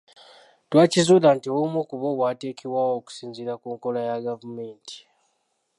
Twakizuula nti obumu ku bwo bwateekebwawo okusinziira ku nkola ya gavumenti.